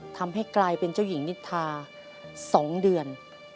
ทำให้กลายเป็นเจ้าหญิงนิทา๒เดือน